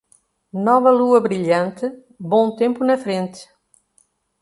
Nova lua brilhante, bom tempo na frente.